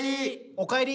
おかえり。